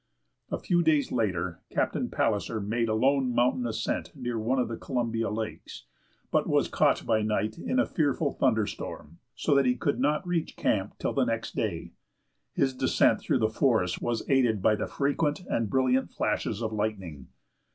A few days later, Captain Palliser made a lone mountain ascent near one of the Columbia lakes, but was caught by night in a fearful thunder storm so that he could not reach camp till next day. His descent through the forests was aided by the frequent and brilliant flashes of lightning.